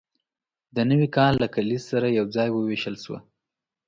د نوي کال له کلیز سره یوځای وویشل شوه.